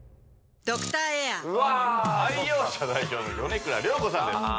ドクターエア愛用者代表の米倉涼子さんです